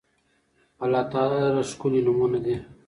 الله تعالی لره ښکلي نومونه دي